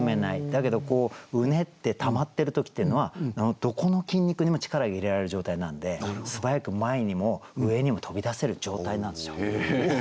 だけどうねってたまってる時っていうのはどこの筋肉にも力が入れられる状態なんで素早く前にも上にも飛び出せる状態なんですよ。